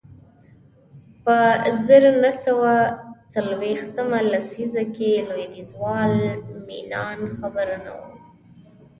په زر نه سوه څلویښتمه لسیزه کې لوېدیځوال مینان خبر نه و